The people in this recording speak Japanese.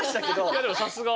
いやでもさすが。